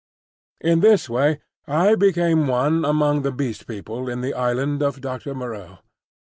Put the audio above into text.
In this way I became one among the Beast People in the Island of Doctor Moreau.